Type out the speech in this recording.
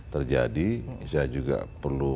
terjadi saya juga perlu